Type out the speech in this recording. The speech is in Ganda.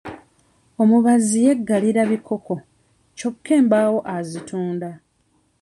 Omubazzi yeggalira bikooko kyokka embaawo azitunda.